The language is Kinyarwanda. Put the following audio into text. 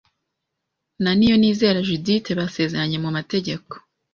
na Niyonizera Judithe basezeranye mu mategeko